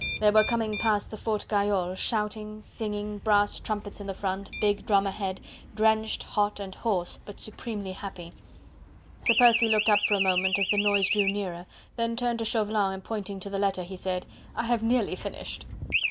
They were coming past the Fort Gayole, shouting, singing, brass trumpets in front, big drum ahead, drenched, hot, and hoarse, but supremely happy. Sir Percy looked up for a moment as the noise drew nearer, then turned to Chauvelin and pointing to the letter, he said: "I have nearly finished!"